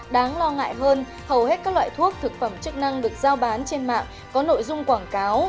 đáng lo ngại hơn hầu hết các loại thuốc thực phẩm chức năng được giao bán trên mạng có nội dung quảng cáo